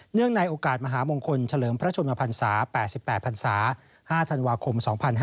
ในโอกาสมหามงคลเฉลิมพระชนมพันศา๘๘พันศา๕ธันวาคม๒๕๕๙